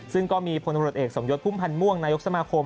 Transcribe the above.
ซึ่งก็มีพลตำรวจเอกสมยศพุ่มพันธ์ม่วงนายกสมาคม